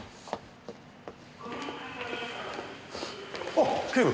あっ警部。